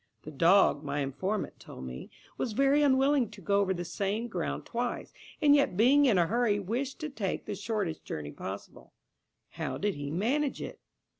The dog, my informant told me, was very unwilling to go over the same ground twice, and yet being in a hurry wished to take the shortest journey possible. How did he manage it?"